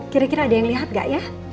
kira kira ada yang lihat gak ya